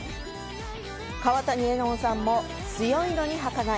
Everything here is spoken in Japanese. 川谷絵音さんも強いのにはかない。